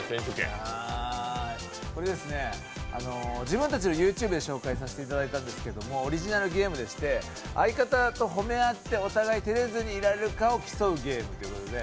これですね、自分たちのＹｏｕＴｕｂｅで紹介させていただいたんですけどオリジナルゲームでして、相方と褒め合ってお互い照れずにいられるかを競うゲームということで。